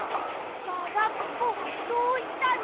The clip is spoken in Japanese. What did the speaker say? ガラピコどうしたの？